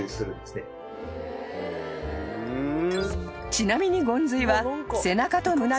［ちなみに］